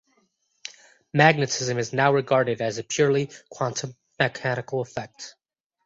Magnetism is now regarded as a purely quantum mechanical effect.